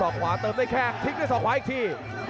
ขวาเติมด้วยแข้งทิ้งด้วยศอกขวาอีกที